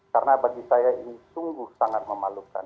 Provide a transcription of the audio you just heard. karena bagi saya ini sungguh sangat memalukan